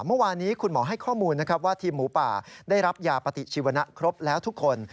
เมื่อวานนี้คุณหมอให้ข้อมูลนะครับว่าทีมหมูป่าได้รับยาปฏิชีวนะครบแล้วทุกคน